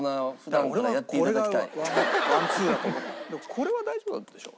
これは大丈夫だったでしょ。